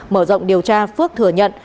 mở rộng điều tra phước thừa nhận